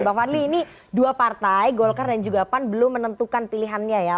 bang fadli ini dua partai golkar dan juga pan belum menentukan pilihannya ya